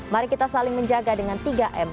mari kita saling menjaga dengan tiga m